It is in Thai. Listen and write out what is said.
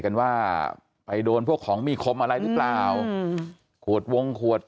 กันว่าไปโดนพวกของมีคมอะไรหรือเปล่าอืมขวดวงขวด